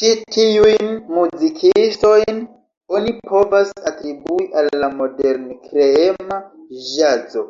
Ĉi tiujn muzikistojn oni povas atribui al la modern-kreema ĵazo.